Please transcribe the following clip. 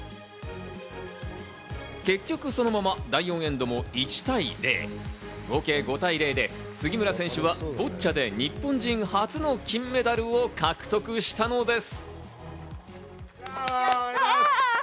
結局そのまま第４エンドも１対０。合計５対０で杉村選手はボッチャで日本人初の金メダルを獲得したのです。